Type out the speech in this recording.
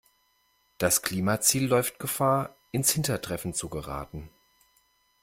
Das Klimaziel läuft Gefahr, ins Hintertreffen zu geraten.